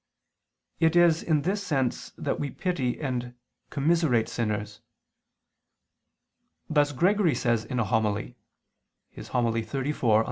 It is in this sense that we pity and commiserate sinners. Thus Gregory says in a homily (Hom. in Evang.